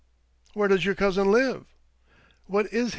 " Where does your cousin live? What is he?"